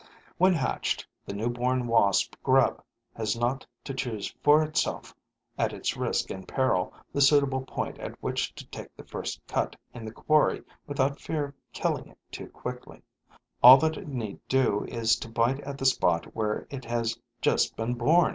When hatched, the new born Wasp grub has not to choose for itself, at its risk and peril, the suitable point at which to take the first cut in the quarry without fear of killing it too quickly: all that it need do is to bite at the spot where it has just been born.